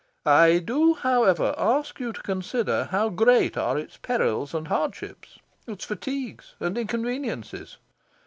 I do, however, ask you to consider how great are its perils and hardships, its fatigues and inconveniences.